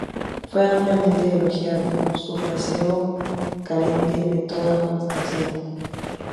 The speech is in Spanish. Fue ampliamente elogiado su fraseo carente de toda afectación.